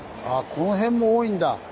この辺も多いんだ。